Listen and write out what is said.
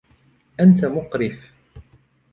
أنت مقرف!